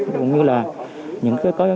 cũng như là